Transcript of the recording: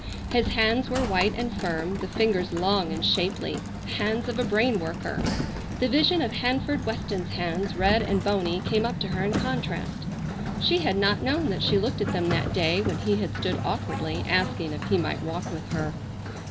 His hands were white and firm, the fingers long and shapely, the hands of a brain worker. The vision of Hanford Weston's hands, red and bony, came up to her in contrast. She had not known that she looked at them that day when he had stood awkwardly asking if he might walk with her.